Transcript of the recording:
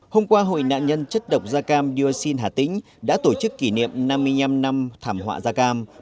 hôm qua hội nạn nhân chất độc da cam dioxin hà tĩnh đã tổ chức kỷ niệm năm mươi năm năm thảm họa da cam